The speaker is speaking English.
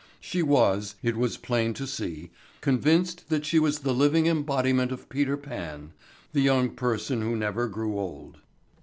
She was, it was plain to see, convinced that she was the living embodiment of Peter Pan, the young person who never grew old.